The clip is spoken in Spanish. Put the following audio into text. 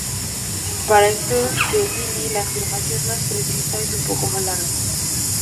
Para el test de Dini, la afirmación más precisa es un poco más larga.